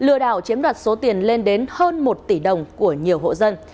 lừa đảo chiếm đoạt số tiền lên đến hơn một tỷ đồng của nhiều hộ dân